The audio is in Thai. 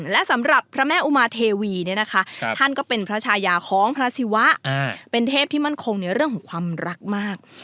และสำหรับพระแม่อุมาเทวีเนี่ยนะคะท่านก็เป็นพระชายาของพระศิวะเป็นเทพที่มั่นคงในเรื่องของความรักมาก